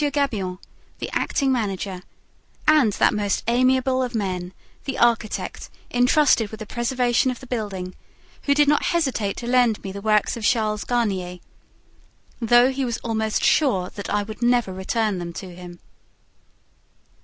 Gabion, the acting manager, and that most amiable of men, the architect intrusted with the preservation of the building, who did not hesitate to lend me the works of Charles Garnier, although he was almost sure that I would never return them to him.